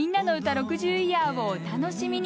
６０イヤーをお楽しみに！